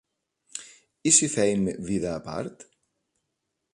I si fèiem vida a part.